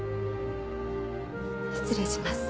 失礼します。